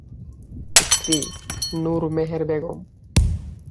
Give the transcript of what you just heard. স্ত্রী ঃ নূর মেহের বেগম।